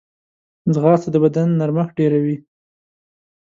ځغاسته د بدن نرمښت ډېروي